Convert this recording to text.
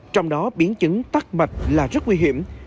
trong đó biến chứng tắt mạch là rất nguy hiểm